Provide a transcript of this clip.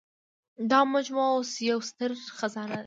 دا مجموعه اوس یوه ستره خزانه ده.